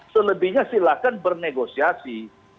selebihnya silakan bernegosiasi